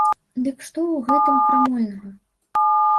Дык што ў гэтым крамольнага?